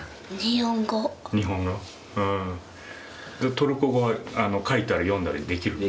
トルコ語は書いたり読んだりできる？